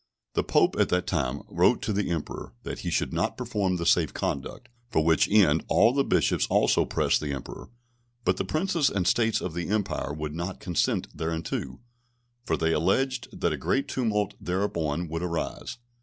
The Pope at that time wrote to the Emperor, that he should not perform the safe conduct; for which end all the Bishops also pressed the Emperor; but the Princes and States of the Empire would not consent thereunto: for they alleged that a great tumult thereupon would arise.